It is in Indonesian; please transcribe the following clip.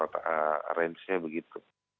rata range nya begitu